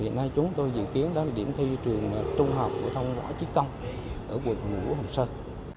hiện nay chúng tôi dự kiến đó là điểm thi trường trung học của thông võ chí công ở quận ngũ hồng sơn